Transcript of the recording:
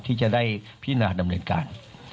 ที่จะได้พินาดำเนินการ